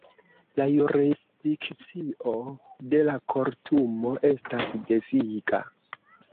La jurisdikcio de la Kortumo estas deviga.